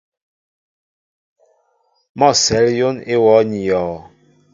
Mɔ a sέl yón í wōō ní yɔɔ.